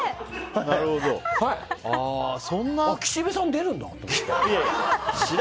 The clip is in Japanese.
岸部さん出るんだって。